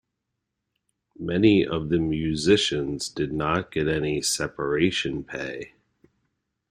Many of the musicians did not get any separation pay.